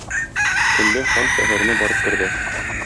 Төнлә хан шәһәренә барып керде.